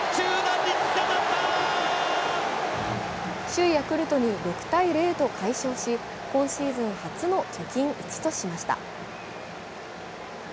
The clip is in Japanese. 首位ヤクルトに６−０と快勝し今シーズン初の貯金１としました。